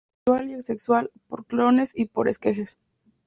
Sexual y asexual, por clones y por esquejes.